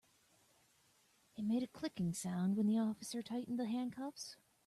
It made a clicking sound when the officer tightened the handcuffs.